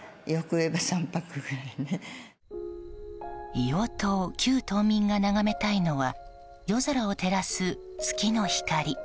硫黄島旧島民が眺めたいのは夜空を照らす月の光。